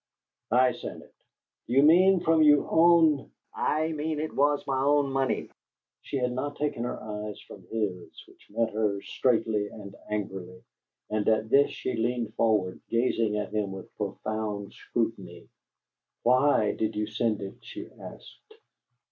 "I sent it." "Do you mean from you own " "I mean it was my own money." She had not taken her eyes from his, which met hers straightly and angrily; and at this she leaned forward, gazing at him with profound scrutiny. "Why did you send it?" she asked.